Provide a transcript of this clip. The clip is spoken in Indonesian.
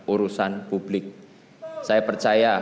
urusan publik saya percaya